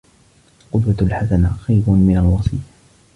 القدوة الحسنة خير من الوصية